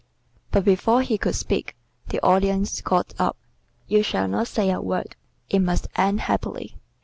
But before he could speak, the Audience got up. "You shall not say a word. It must end happily."